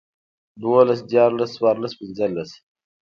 دولس ديارلس څوارلس پنځلس